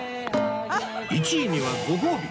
１位にはご褒美！